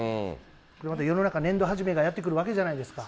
世の中年度初めがやって来るわけじゃないですか。